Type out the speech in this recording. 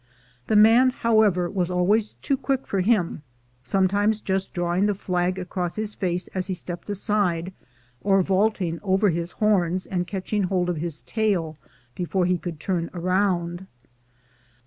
The man, however, was always too quick for him, sometimes just drawing the flag across his face as he stepped aside, or vaulting over his horns and catch ing hold of his tail before he could turn round.